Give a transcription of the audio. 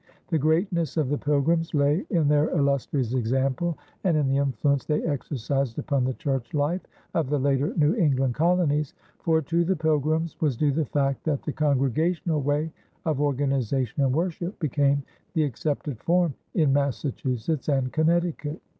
The greatness of the Pilgrims lay in their illustrious example and in the influence they exercised upon the church life of the later New England colonies, for to the Pilgrims was due the fact that the congregational way of organization and worship became the accepted form in Massachusetts and Connecticut.